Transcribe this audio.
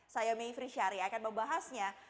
saya mayfri syari akan membahasnya